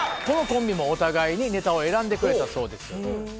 このコンビもお互いにネタを選んでくれたそうです。